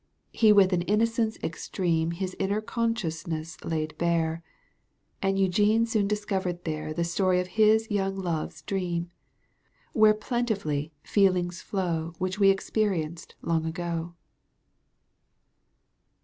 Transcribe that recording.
He with an innocence extreme His inner consciousness laid bare. And Eugene soon discovered there The story of his young love's dream. Where plentifully feelings flow Which we experienced long ago.